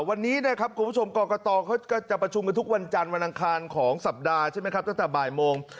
วันนี้นะครับคุณผู้ชมกรกตเขาจะประชุมกันทุกวันจันทร์วันอังคารของสัปดาห์ใช่ไหมครับตั้งแต่บ่ายโมง